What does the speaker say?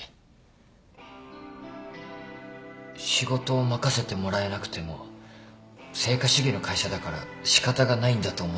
仕事を任せてもらえなくても成果主義の会社だから仕方がないんだと思ってたんです。